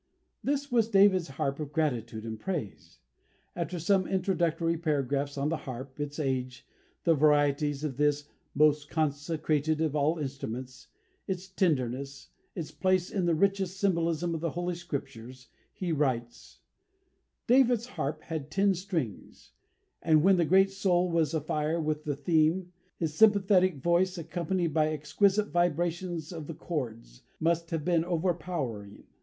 This was David's harp of gratitude and praise. After some introductory paragraphs on the harp, its age, the varieties of this "most consecrated of all instruments," its "tenderness," its place in "the richest symbolism of the Holy Scriptures," he writes: "David's harp had ten strings, and, when his great soul was afire with the theme, his sympathetic voice, accompanied by exquisite vibrations of the chords, must have been overpowering....